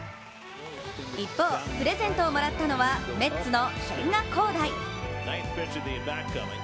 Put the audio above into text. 一方、プレゼントをもらったのはメッツの千賀滉大。